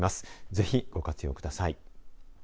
ぜひご活用ください。